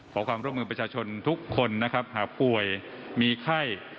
ขอความร่วมมือประชาชนทุกคนนะครับหากป่วยมีไข้